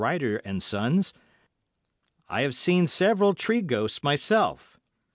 Rider & Sons), I have seen several tree ghosts myself.